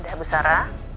udah bu sarah